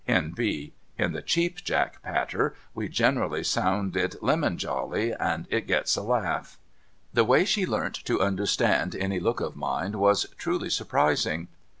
[N.B. In the Cheap Jack patter, we generally sound it lemonjolly, and it gets a laugh.] The way she learnt to understand any look of mine was truly surprising.